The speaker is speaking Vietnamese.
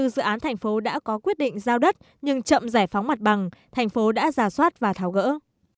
hai mươi dự án thành phố đã có quyết định giao đất nhưng chậm giải phóng mặt bằng thành phố đã giả soát và tháo gỡ